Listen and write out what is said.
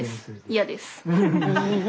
嫌です。